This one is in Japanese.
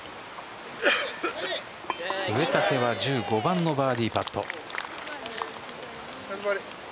植竹は１５番のバーディーパット。